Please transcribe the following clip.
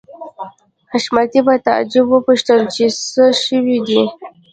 حشمتي په تعجب وپوښتل چې څه شوي دي